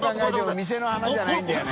店の花じゃないんだよね。